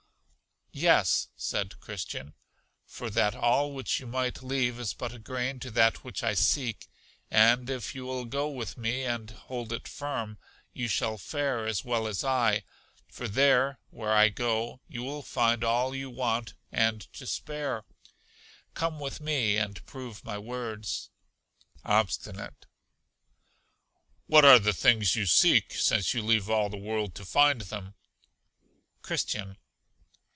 Yes, said Christian, for that all which you might leave is but a grain to that which I seek, and if you will go with me and hold it firm, you shall fare as well as I; for there, where I go, you will find all you want and to spare. Come with me, and prove my words. Obstinate. What are the things you seek, since you leave all the world to find them? Christian.